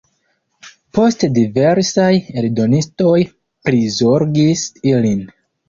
Poste diversaj eldonistoj prizorgis ilin.